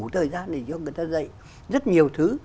thời gian để cho người ta dạy rất nhiều thứ